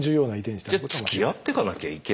じゃつきあってかなきゃいけないってこと。